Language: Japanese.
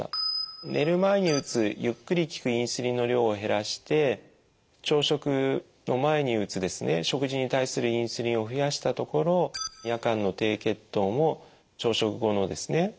寝る前に打つゆっくり効くインスリンの量を減らして朝食の前に打つ食事に対するインスリンを増やしたところ夜間の低血糖も朝食後のですね